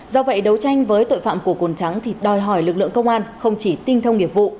do vậy đấu tranh với tội phạm của cồn trắng thì đòi hỏi lực lượng công an không chỉ tinh thông nghiệp vụ